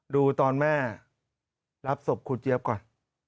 ดูตอนแม่รับศพครูเจี๊ยบก่อน